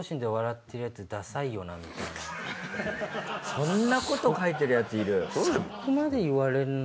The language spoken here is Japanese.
そんなこと書いてる奴いる？